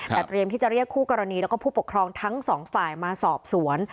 แต่เตรียมที่จะเรียกคู่กรณีแล้วก็ผู้ปกครองทั้งสองฝ่ายมาสอบสวน